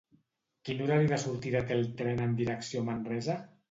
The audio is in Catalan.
Quin horari de sortida té el tren en direcció a Manresa?